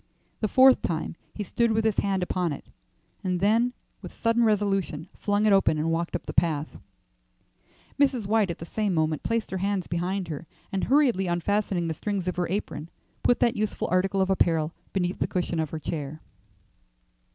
The fourth time he stood with his hand upon it, and then with sudden resolution flung it open and walked up the path. Mrs. White at the same moment placed her hands behind her, and hurriedly unfastening the strings of her apron, put that useful article of apparel beneath the cushion of her chair.